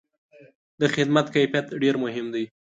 د خدمت کیفیت ډېر مهم دی.